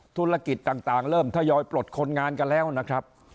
ธุรกิจต่างเริ่มทยอยปลดคนงานกันแล้วนะครับ